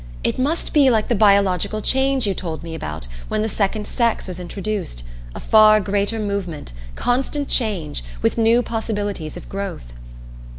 It must be like the biological change you told me about when the second sex was introduced a far greater movement, constant change, with new possibilities of growth."